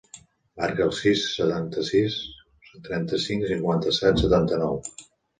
Marca el sis, setanta-sis, trenta-cinc, cinquanta-set, setanta-nou.